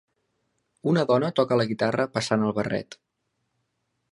Una dona toca la guitarra passant el barret